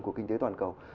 của kinh tế toàn cầu